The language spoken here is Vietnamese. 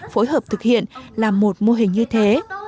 phối hợp thực hiện là một mô hình như thế